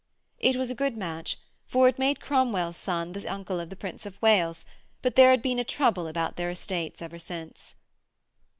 It was a good match, for it made Cromwell's son the uncle of the Prince of Wales, but there had been a trouble about their estates ever since.